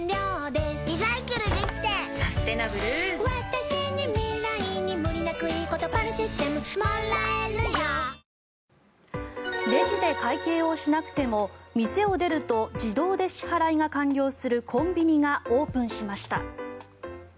ピンポーンレジで会計をしなくても店を出ると自動で支払いが完了するコンビニがオープンしました。